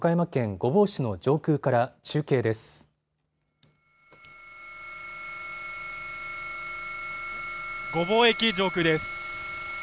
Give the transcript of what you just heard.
御坊駅上空です。